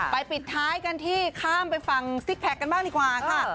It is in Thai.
ปิดท้ายกันที่ข้ามไปฟังซิกแพคกันบ้างดีกว่าค่ะ